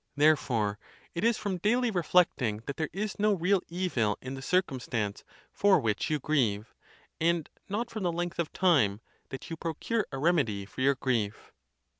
Therefore it is from daily reflecting that there is no real evil in the circumstance for which you grieve, and not from the length of time, that you procure a remedy for your grief.